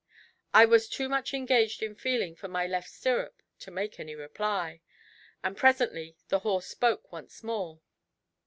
I was too much engaged in feeling for my left stirrup to make any reply, and presently the horse spoke once more.